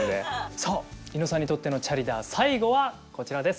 さあ猪野さんにとっての「チャリダー★」最後はこちらです。